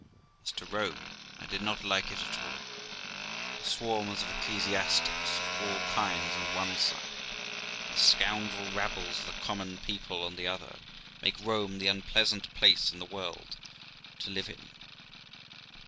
As to Rome, I did not like it at all. The swarms of ecclesiastics of all kinds on one side, and the scoundrel rabbles of the common people on the other, make Rome the unpleasantest place in the world to live in.